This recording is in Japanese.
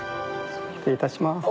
失礼いたします。